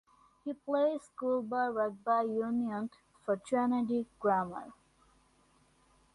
He played schoolboy rugby union for Trinity Grammar.